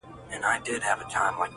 په ملګرو چي دي ګډه واویلا ده -